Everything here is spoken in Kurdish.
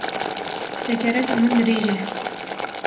Sekereta min dirêj e